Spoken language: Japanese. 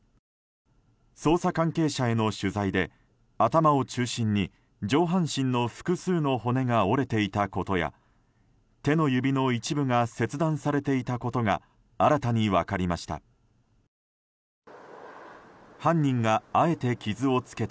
捜査関係者への取材で頭を中心に、上半身の複数の骨が折れていたことや手の指の一部が切断されていたことが新たに分かりました。